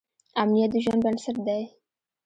امنیت د ژوند بنسټ دی.